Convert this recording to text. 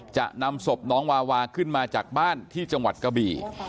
จะนำศพน้องวาวาขึ้นมาจากบ้านที่จังหวัดกะบี่